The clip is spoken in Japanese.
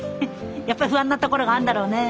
やっぱり不安なところがあんだろうね。